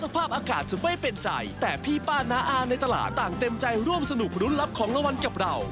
ป้าน้าอาในตลาดต่างเต็มใจร่วมสนุกรุ้นรับของละวันกับเรา